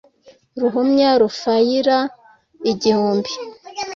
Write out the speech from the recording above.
ruhuma rufayira igihumbi